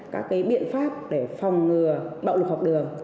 các biện pháp để phòng ngừa bạo lực học đường